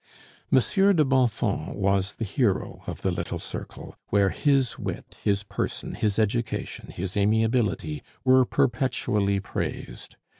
Monsieur de Bonfons was the hero of the little circle, where his wit, his person, his education, his amiability, were perpetually praised.